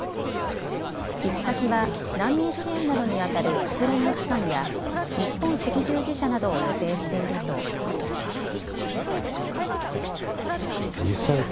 寄付先は、難民支援などにあたる国連の機関や日本赤十字社などを予定しているということです。